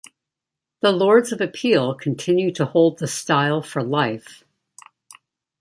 The Lords of Appeal continue to hold the style for life.